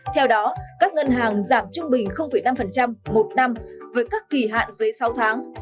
theo đó các ngân hàng giảm trung bình năm một năm với các kỳ hạn dưới sáu tháng